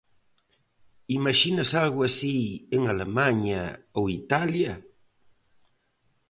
Imaxinas algo así en Alemaña ou Italia?